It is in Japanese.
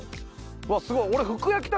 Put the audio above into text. うわっすごい。